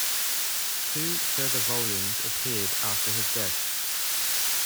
Two further volumes appeared after his death.